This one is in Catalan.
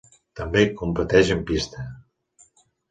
També competeix en pista.